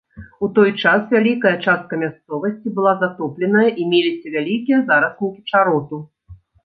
У той час вялікая частка мясцовасці была затопленая і меліся вялікія зараснікі чароту.